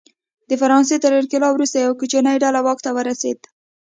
د فرانسې تر انقلاب وروسته یوه کوچنۍ ډله واک ته ورسېده.